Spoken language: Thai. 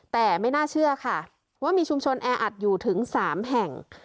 แต่ไม่น่าเชื่อค่ะว่ามีชุมชนแออัดอยู่ถึง๓แห่ง